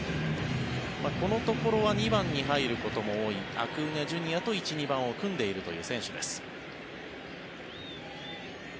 このところは２番に入ることも多いアクーニャＪｒ．と１、２番を組んでいるという選手です。